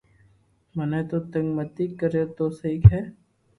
مني تو تبگ متي ڪريار تو سھي ھي